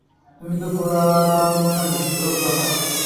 তুমি তো পুরাক্রমশালী, প্রজ্ঞাময়।